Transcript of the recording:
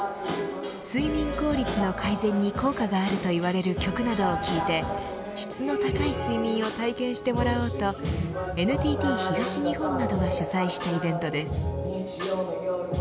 睡眠効率の改善に効果があるといわれる曲などを聞いて質の高い睡眠を体験してもらおうとＮＴＴ東日本などが主催したイベントです。